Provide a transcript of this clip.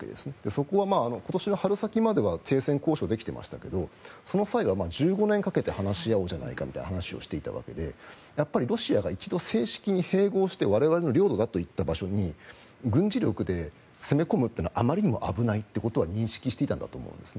そこは今年の春先までは停戦交渉できてましたけどその際は１５年かけて話し合おうじゃないかみたいな話をしていたわけでやっぱりロシアが一度、正式に併合して我々の領土だといった場所に軍事力で攻め込むというのはあまりにも危ないということは認識していたんだと思います。